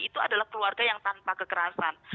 itu adalah keluarga yang tanpa kekerasan